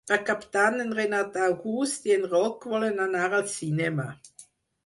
Per Cap d'Any en Renat August i en Roc volen anar al cinema.